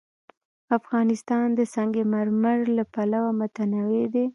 افغانستان د سنگ مرمر له پلوه متنوع دی.